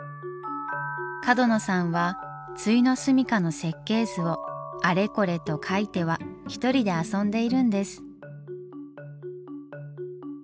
角野さんは終の住みかの設計図をあれこれと描いては一人で遊んでいるんです。